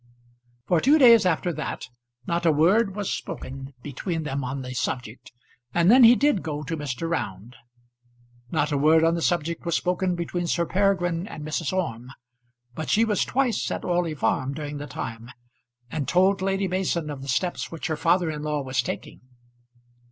For two days after that not a word was spoken between them on the subject, and then he did go to Mr. Round. Not a word on the subject was spoken between Sir Peregrine and Mrs. Orme; but she was twice at Orley Farm during the time, and told Lady Mason of the steps which her father in law was taking.